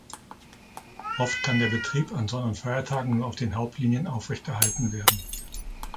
Oft kann der Betrieb an Sonn- und Feiertagen nur auf den Hauptlinien aufrechterhalten werden.